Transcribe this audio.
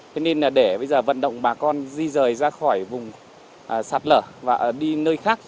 thế nên là để bây giờ vận động bà con di rời ra khỏi vùng sạt lở và đi nơi khác